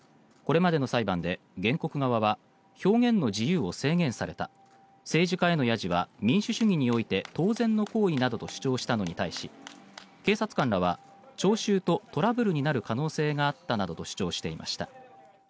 これまでの裁判で原告側は表現の自由を制限された政治家へのやじは民主主義において当然の行為などと主張したのに対し警察官らは聴衆とトラブルになる可能性があったなどと主張していました。